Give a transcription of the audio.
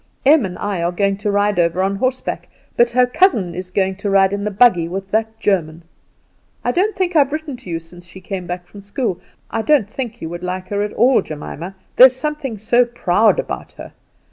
Em and I are going to ride over on horseback, but her cousin is going to ride in the buggy with that German. I don't think I've written to you since she came back from school. I don't think you would like her at all, Jemima; there's something so proud about her.